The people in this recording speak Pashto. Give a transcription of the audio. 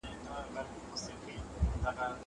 زه موسيقي اورېدلې ده.